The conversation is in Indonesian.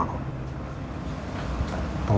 aduh aduh aduh